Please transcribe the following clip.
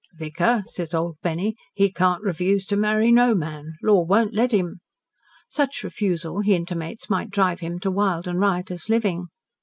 "Vicar," says old Benny, "he can't refuse to marry no man. Law won't let him." Such refusal, he intimates, might drive him to wild and riotous living.